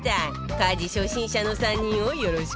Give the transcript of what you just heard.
家事初心者の３人をよろしくね